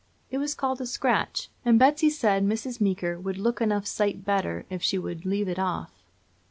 It was called a scratch, and Betsy said Mrs. Meeker "would look enough sight better if she would leave it off."